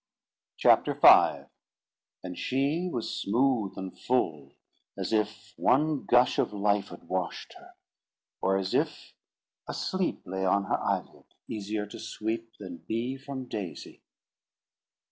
CHAPTER V "And she was smooth and full, as if one gush Of life had washed her, or as if a sleep Lay on her eyelid, easier to sweep Than bee from daisy."